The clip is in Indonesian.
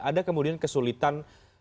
ada kemudian kesulitan